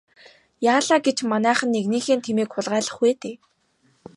Яалаа гэж манайхан нэгнийхээ тэмээг хулгайлах вэ дээ.